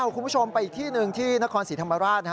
คุณผู้ชมไปอีกที่หนึ่งที่นครศรีธรรมราช